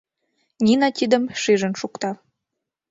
Нина тидым шижын шукта: